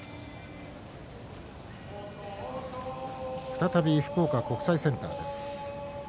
再び福岡国際センターです。